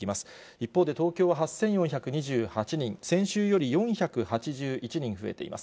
一方で、東京は８４２８人、先週より４８１人増えています。